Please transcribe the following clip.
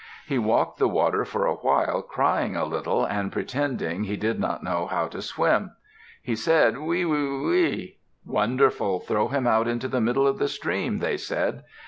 He walked the water for a while, crying a little, and pretended he did not know how to swim. He said, "Wi! wi! wi!" "Wonderful! Throw him out into the middle of the stream," they said.